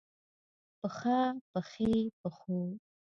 پښه ، پښې ، پښو